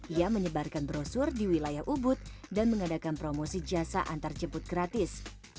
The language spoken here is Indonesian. ia menyebarkan brosur di wilayah ubud dan mengadakan promosi jasa antarjemput gratis